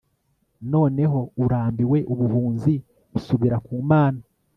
noneho, urambiwe ubuhunzi, usubira ku mana